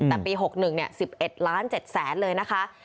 แต่ปี๖๑๑ล้าน๗แสนเลยนะคะ